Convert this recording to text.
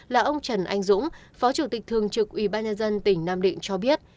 là ông trần anh dũng phó chủ tịch thường trực ủy ban nhân dân tỉnh nam định cho biết